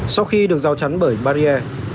sau khi được giao chắn bởi barrier